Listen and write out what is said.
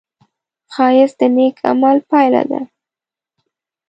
ښایست د نېک عمل پایله ده